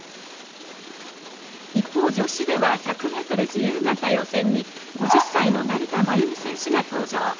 一方、女子では１００ｍ自由形予選に５０歳の成田真由美選手が登場。